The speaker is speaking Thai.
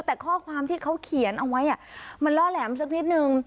แต่ข้อความที่เขาเขียนเอาไว้มันล่อแหลมสักนิดนึง